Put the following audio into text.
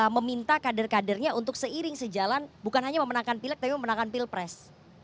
meminta kader kadernya untuk seiring sejalan bukan hanya memenangkan pilek tapi memenangkan pilpres